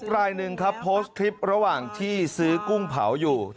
รายหนึ่งครับโพสต์คลิประหว่างที่ซื้อกุ้งเผาอยู่